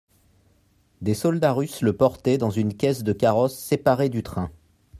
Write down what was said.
Des soldats russes le portaient dans une caisse de carrosse séparée du train.